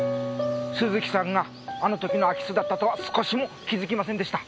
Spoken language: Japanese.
鈴木さんがあの時の空き巣だったとは少しも気づきませんでした。